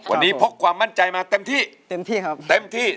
วันนี้พกความมั่นใจมาเต็มที่